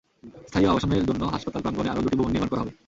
স্থায়ী আবাসনের জন্য হাসপাতাল প্রাঙ্গণে আরও দুটি ভবন নির্মাণ করা হবে।